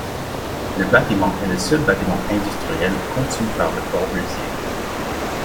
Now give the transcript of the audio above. Le bâtiment est le seul bâtiment industriel conçu par Le Corbusier.